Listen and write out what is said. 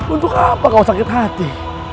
untuk apa kau sakit hati